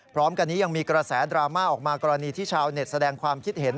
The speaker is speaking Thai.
พร้อมกันนี้ยังมีกระแสดราม่าออกมากรณีที่ชาวเน็ตแสดงความคิดเห็น